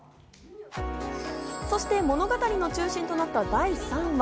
そして物語の中心となった第３話。